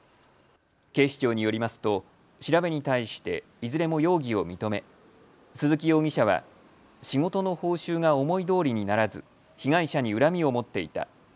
警視庁によりますと調べに対していずれも容疑を認め、鈴木容疑者は仕事の報酬が思いどおりにならず被害者に恨みを持っていた。